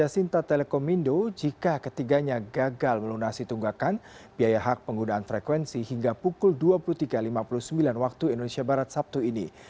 sinta telekomindo jika ketiganya gagal melunasi tunggakan biaya hak penggunaan frekuensi hingga pukul dua puluh tiga lima puluh sembilan waktu indonesia barat sabtu ini